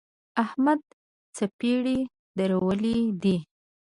احمد څپری درولی دی.